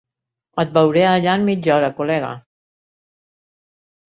Et veuré allà en mitja hora col·lega.